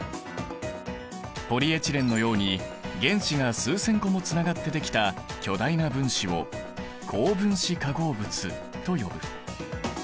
ポリエチレンのように原子が数千個もつながってできた巨大な分子を高分子化合物と呼ぶ。